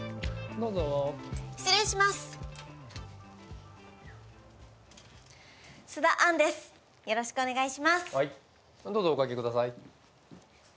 どうぞお掛けください。